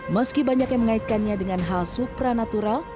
meski banyak yang mengaitkannya dengan hal supranatural